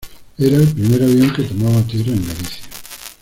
Era el primer avión que tomaba tierra en Galicia.